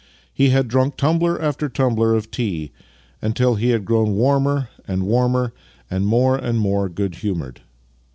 He had drunk tumbler after tumbler of tea, until he had grown warmer and warmer and more and more good humoured.